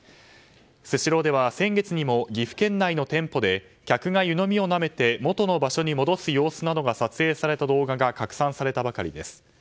スシローでは先月にも岐阜県内の店舗で客が湯のみをなめて元の場所に戻す様子などが撮影された動画が拡散されたばかりです。